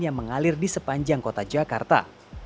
yang mengalir di sepanjang kota jakarta